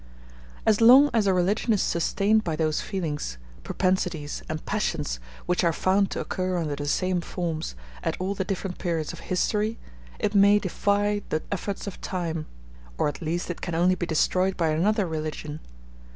As long as a religion is sustained by those feelings, propensities, and passions which are found to occur under the same forms, at all the different periods of history, it may defy the efforts of time; or at least it can only be destroyed by another religion.